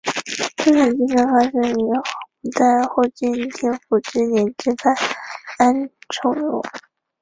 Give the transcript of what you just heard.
宗城之战发生于五代后晋天福六年击败安重荣。